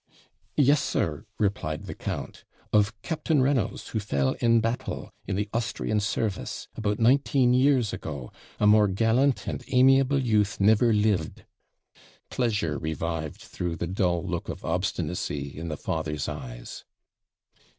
'Yes, sir,' replied the count; 'of Captain Reynolds, who fell in battle, in the Austrian service, about nineteen years ago a more gallant and amiable youth never lived.' Pleasure revived through the dull look of obstinacy in the father's eyes.